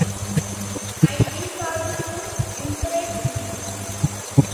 I resolved to encourage him.